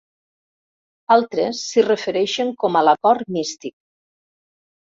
Altres s'hi refereixen com a l'"Acord místic".